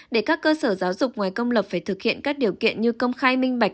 để các cơ sở giáo dục ngoài công lập phải thực hiện các điều kiện như công khai minh bạch